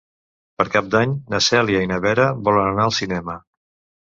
Per Cap d'Any na Cèlia i na Vera volen anar al cinema.